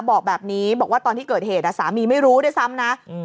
บอกแบบนี้บอกว่าตอนที่เกิดเหตุสามีไม่รู้ด้วยซ้ำนะ